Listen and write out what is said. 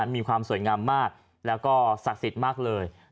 มีความสวยงามมากแล้วก็ศักดิ์สิทธิ์มากเลย